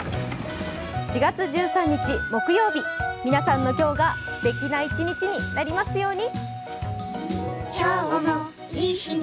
４月１３日木曜日、皆さんの今日がすてきな一日になりますように。